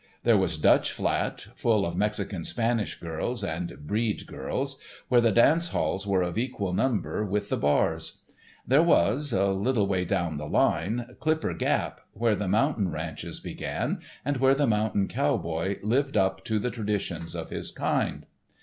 There was Dutch Flat, full of Mexican Spanish girls and "breed" girls, where the dance halls were of equal number with the bars. There was—a little way down the line—Clipper Gap, where the mountain ranches began, and where the mountain cow boy lived up to the traditions of his kind.